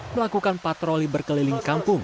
melakukan patroli berkeliling kampung